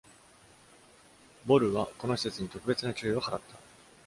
Bholu はこの施設に特別な注意を払った。